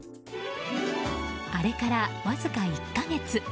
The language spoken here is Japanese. あれからわずか１か月。